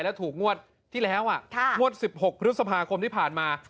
แล้วถูกงวดที่แล้วอ่ะค่ะงวดสิบหกพฤษภาคมที่ผ่านมา